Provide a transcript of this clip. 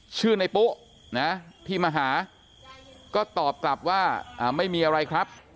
ชื่อในปุ๊นะที่มาหาก็ตอบกลับว่าไม่มีอะไรครับ